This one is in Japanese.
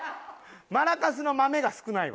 マラカスの豆が少ないわ。